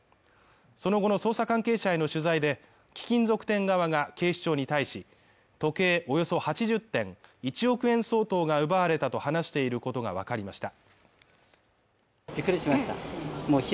その後の捜査関係者への取材で、貴金属店側が警視庁に対し、時計およそ８０点１億円相当が奪われたと話していることがわかりました。